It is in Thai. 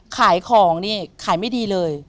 ขายของนี่ขายไม่ดีเลย